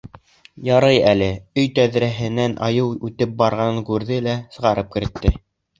Ярай әле, өй тәҙрәһенән Айыу үтеп барғанын күрҙе лә саҡырып керетте.